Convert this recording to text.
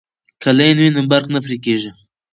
که لین وي نو برق نه پرې کیږي.